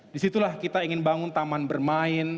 disitulah kita ingin bangun taman bermain